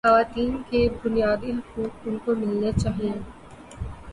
خواتین کے بنیادی حقوق ان کو ملنے چاہیے